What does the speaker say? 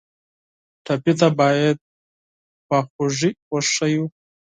ټپي ته باید خواخوږي وښیو.